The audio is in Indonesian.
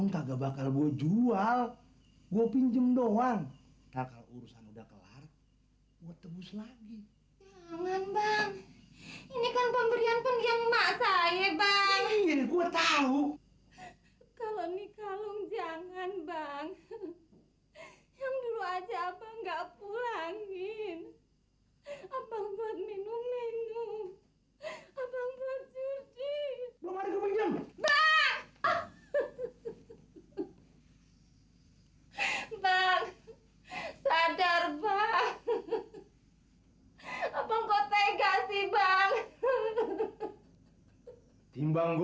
tak boleh abang kesana